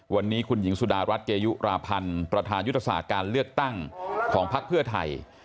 วันนี้คุณหญิงสุดารัฐเกยุราพันธ์ประธานยุทธศาสตร์การเลือกตั้งของพักเพื่อไทย